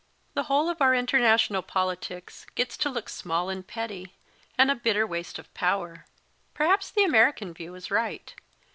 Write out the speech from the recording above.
The whole of our international politics gets to look small and petty, and a bitter waste of power. Perhaps the American view is right.